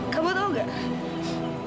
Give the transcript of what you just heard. kamu tahu gak